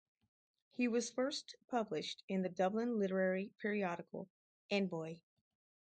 He was first published in the Dublin literary periodical, "Envoy".